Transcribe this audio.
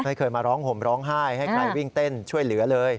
ไม่เคยมาร้องห่มร้องไห้ให้ใครวิ่งเต้นช่วยเหลือเลย